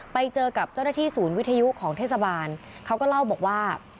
ไปเจอกับเจ้าหน้าที่ศูนย์วิทยุของเทศบาลเขาก็เล่าบอกว่า